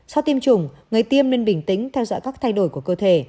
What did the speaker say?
sau tiêm chủng người tiêm nên bình tĩnh theo dõi các thay đổi của cơ thể